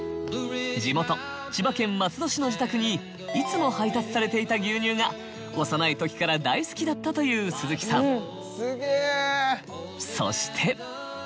地元千葉県松戸市の自宅にいつも配達されていた牛乳が幼い時から大好きだったという鈴木さん。